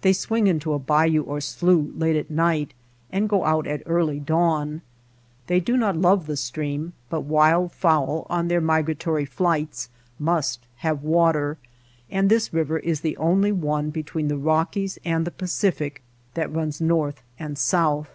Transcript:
They swing into a bayou or slough late at night and go out at early dawn. They do not love the stream, but wild fowl on their migratory flights must have water, and this river is the only one between the Kockies and the Pacific that runs north and south.